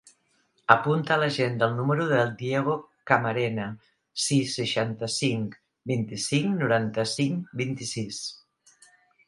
Apunta a l'agenda el número del Diego Camarena: sis, seixanta-cinc, vint-i-cinc, noranta-cinc, vint-i-sis.